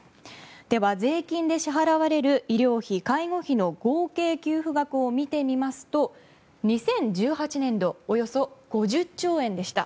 では、税金で支払われる医療費介護費の合計を見てみますと２０１８年度およそ５０兆円でした。